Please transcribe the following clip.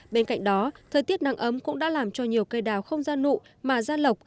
bên cạnh đó thời tiết nắng ấm cũng đã làm cho nhiều cây đào không ra nụ mà ra lọc